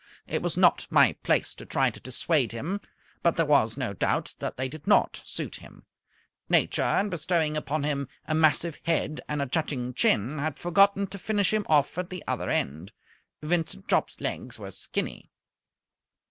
It was not my place to try to dissuade him, but there was no doubt that they did not suit him. Nature, in bestowing upon him a massive head and a jutting chin, had forgotten to finish him off at the other end. Vincent Jopp's legs were skinny.